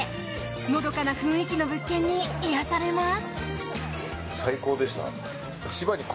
のどかな雰囲気の物件に癒やされます。